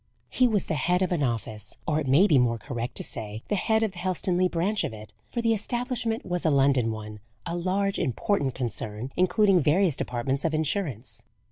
He was the head of an office or it may be more correct to say the head of the Helstonleigh branch of it, for the establishment was a London one a large, important concern, including various departments of Insurance.